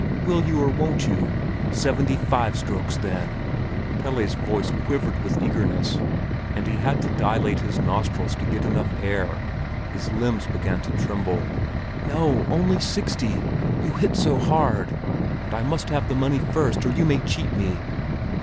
"Will you or won't you? Seventy five strokes then!" Pelle's voice quivered with eagerness, and he had to dilate his nostrils to get air enough; his limbs began to tremble. "No—only sixty—you hit so hard! And I must have the money first, or you may cheat me."